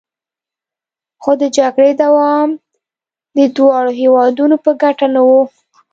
خو د جګړې دوام د دواړو هیوادونو په ګټه نه و